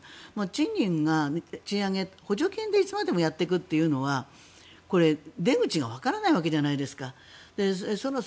賃金、賃上げ補助金でいつまでもやっていくっていうのはこれ、出口がわからないわけじゃないですか。